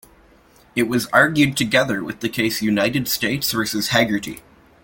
It was argued together with the case "United States versus Haggerty".